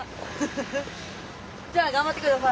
じゃあ頑張って下さい。